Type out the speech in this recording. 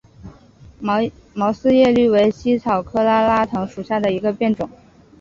毛四叶葎为茜草科拉拉藤属下的一个变种。